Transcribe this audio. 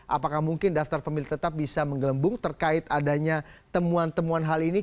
apakah mungkin daftar pemilih tetap bisa menggelembung terkait adanya temuan temuan hal ini